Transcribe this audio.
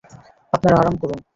আপনারা আরাম করুন।